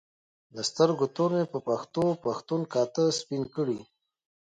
د سترګو تور مې په پښتو پښتون کاته سپین کړي